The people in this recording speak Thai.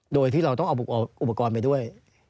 โดยที่เราต้องเอาอุปกรณ์ไปด้วย